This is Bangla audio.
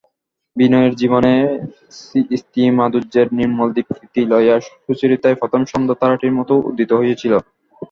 বিনয়ের জীবনে স্ত্রীমাধুর্যের নির্মল দীপ্তি লইয়া সুচরিতাই প্রথম সন্ধ্যাতারাটির মতো উদিত হইয়াছিল।